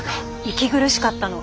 息苦しかったの。